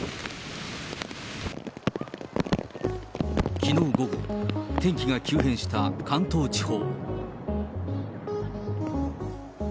きのう午後、天気が急変した関東地方。